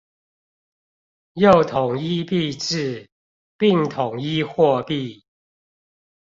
又統一幣制，並統一貨幣